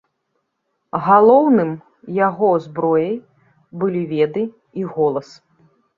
Галоўным яго зброяй былі веды і голас.